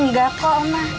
nggak kok ma